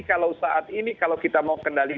kalau saat ini kalau kita mau kendali